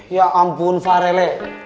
ya ampun fahrele